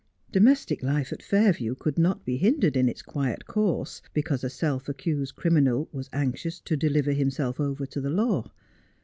Domestic life at Fairview could not be hindered in its quiet course because a self accused criminal was anxious to deliver himself over to the law.